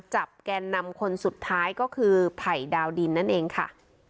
แกนนำคนสุดท้ายก็คือไผ่ดาวดินนั่นเองค่ะ